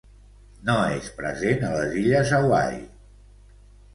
No és present a les Illes Hawaii.